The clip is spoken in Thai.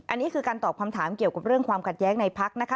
อันนี้คือการตอบคำถามเกี่ยวกับเรื่องความขัดแย้งในพักนะคะ